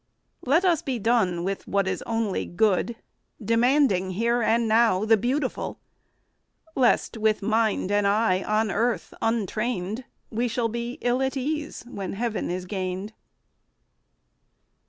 Let us be done with what is only good, Demanding here and now the beautiful; Lest, with the mind and eye on earth untrained, We shall be ill at ease when heaven is gained.